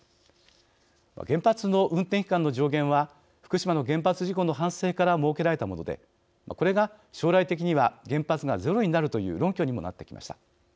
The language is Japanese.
原発の運転期間の上限は福島の原発事故の反省から設けられたもので、これが将来的には原発がゼロになるという論拠にもなってきました。